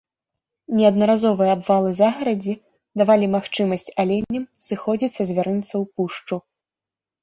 Неаднаразовыя абвалы загарадзі давалі магчымасць аленям сыходзіць са звярынца ў пушчу.